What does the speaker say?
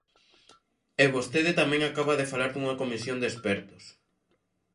E vostede tamén acaba de falar dunha comisión de expertos.